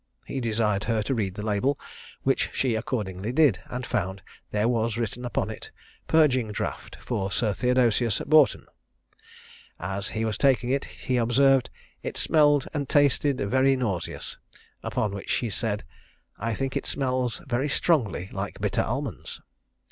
He desired her to read the label, which she accordingly did, and found there was written upon it "Purging draught for Sir Theodosius Boughton." As he was taking it, he observed, "it smelled and tasted very nauseous;" upon which she said "I think it smells very strongly like bitter almonds."